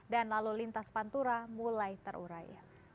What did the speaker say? dan lalu lintas panturah mulai terurai